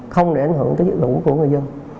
không để ảnh hưởng tới dịch vụ của người dân